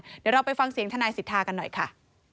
เดี๋ยวเราไปฟังเสียงทนายสิทธากันหน่อยค่ะ